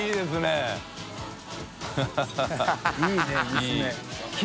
いいね娘。